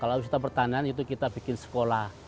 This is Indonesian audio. kalau wisata pertanian itu kita bikin sekolah